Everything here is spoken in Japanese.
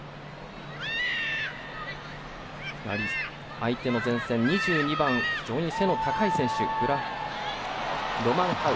相手の前線、２２番非常に背の高い選手ロマンハウ。